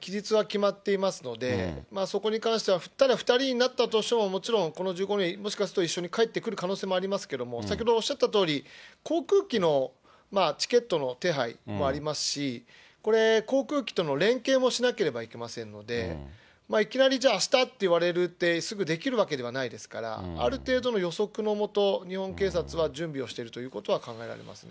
期日は決まっていますので、そこに関しては、ただ２人になったとしても、この１５人、もしかすると一緒に帰ってくる可能性もありますけれども、先ほどおっしゃったとおり、航空機のチケットの手配もありますし、これ、航空機との連携もしなければいけませんので、いきなりじゃあ、あしたって言われるって、すぐできるわけがないですから、ある程度の予測のもと、日本警察は準備をしているということは考えられますね。